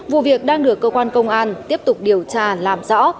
vụ việc đang được cơ quan công an tiếp tục điều tra làm rõ